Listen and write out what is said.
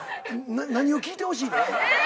何を聞いてほしい？え！